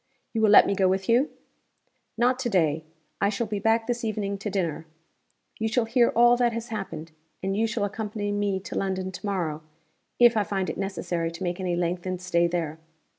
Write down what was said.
"You will let me go with you?" "Not to day. I shall be back this evening to dinner. You shall hear all that has happened; and you shall accompany me to London to morrow if I find it necessary to make any lengthened stay there.